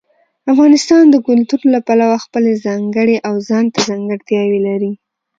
افغانستان د کلتور له پلوه خپله ځانګړې او ځانته ځانګړتیاوې لري.